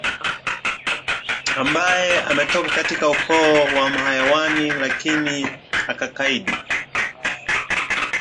ambaye ametoka katika ukoo wa mahayawani lakini akakaidi